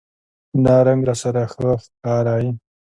دا رنګ راسره ښه ښکاری